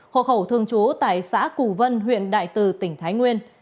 hộ khẩu thường chú tại xã củ vân huyện đại từ tỉnh thái nguyên